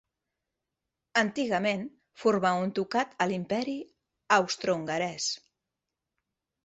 Antigament formà un ducat a l'Imperi Austrohongarès.